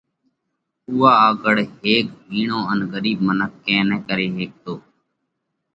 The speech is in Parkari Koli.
اُوئا آڳۯ هيڪ هِيڻو ان ڳرِيٻ منک ڪئين نه ڪري هيڪتو۔